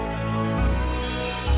apa yang mau dilakuin elsa di ruang icu